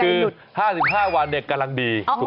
คือ๕๕วันกำลังดี